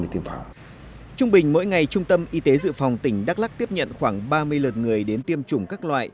nếu chế dự phòng tỉnh đắk lắc tiếp nhận khoảng ba mươi lượt người đến tiêm chủng các loại